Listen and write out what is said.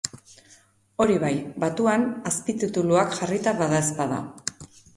Hori bai, batuan azpitituluak jarrita badaezpada.